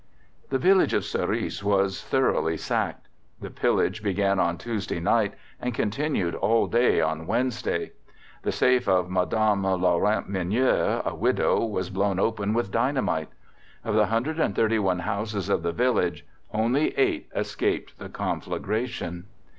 (2) The village of Surice was thoroughly sacked. The pillage began on Tuesday night, and continued all day on Wednesday. The safe of Madame Laurent Mineur, a widow, was blown open with dynamite. Of the 131 houses of the village only eight escaped the conflagration.